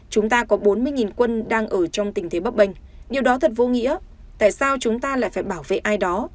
chúng ta có bốn mươi quân đang ở trong tình thế bấp bênh điều đó thật vô nghĩa tại sao chúng ta lại phải bảo vệ ai đó